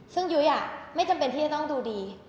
ซึ่งยุ้ยไม่จำเป็นที่จะต้องดูดี